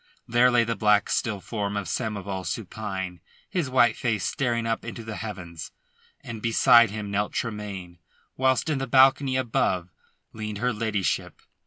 There lay the black still form of Samoval supine, his white face staring up into the heavens, and beside him knelt Tremayne, whilst in the balcony above leaned her ladyship.